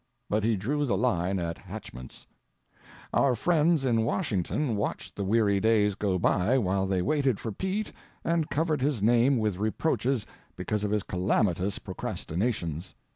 But he drew the line at hatchments. Our friends in Washington watched the weary days go by, while they waited for Pete and covered his name with reproaches because of his calamitous procrastinations.